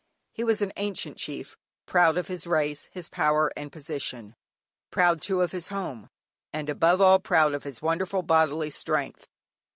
He was an ancient chief, proud of his race, his power, and position; proud too of his home, and above all proud of his wonderful bodily strength.